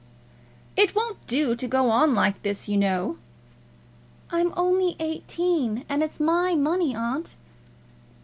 "It won't do to go on like this, you know." "I'm only eighteen; and it's my money, aunt."